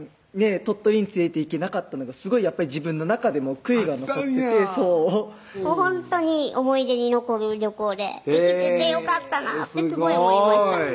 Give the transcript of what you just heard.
鳥取に連れていけなかったのがすごい自分の中でも悔いが残っててほんとに思い出に残る旅行で生きててよかったなってすごい思いました